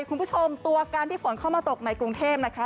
คุณผู้ชมตัวการที่ฝนเข้ามาตกในกรุงเทพนะคะ